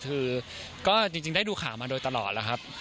คือก็จริงได้ดูข่าวมาโดยตลอดแล้วครับ